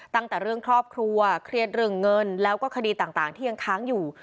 ตั้งแต่เรื่องครอบครัวเครียดเรื่องเงินแล้วก็คดีต่างที่ยังค้างอยู่